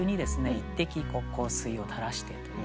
一滴香水を垂らしてと。